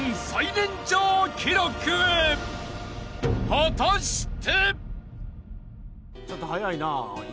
［果たして！？］